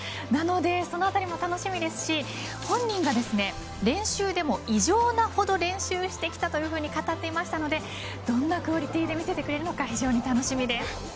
なのでそのあたりも楽しみですし本人が練習でも異常なほど練習してきたというふうに語っていましたのでどんなクオリティーで見せてくるのか非常に楽しみです。